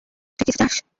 তুই কিছু চাস!